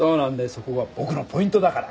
そこが僕のポイントだから。